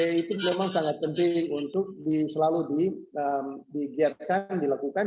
itu memang sangat penting untuk selalu digiatkan dilakukan